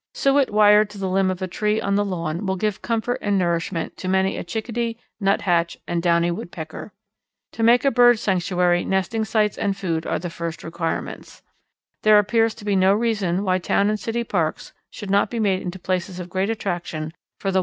Suet wired to the limb of a tree on the lawn will give comfort and nourishment to many a Chickadee, Nuthatch and Downy Woodpecker. To make a bird sanctuary nesting sites and food are the first requirements. There appears to be no reason why town and city parks should not be made into places of great attraction for the wild birds.